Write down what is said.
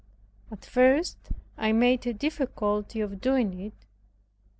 At first I made a difficulty of doing it.